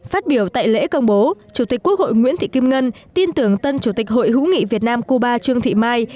phát biểu tại lễ công bố chủ tịch quốc hội nguyễn thị kim ngân tin tưởng tân chủ tịch hội hữu nghị việt nam cuba trương thị mai